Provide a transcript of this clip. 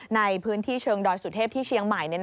ในพื้นที่เชิงดอยสุเทพที่เชียงใหม่